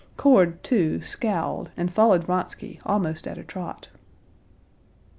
Cord, too, scowled, and followed Vronsky almost at a trot.